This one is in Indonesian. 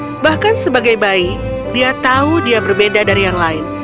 tapi bahkan sebagai bayi dia tahu dia berbeda dari yang lain